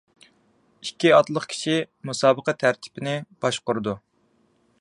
ئىككى ئاتلىق كىشى مۇسابىقە تەرتىپىنى باشقۇرىدۇ.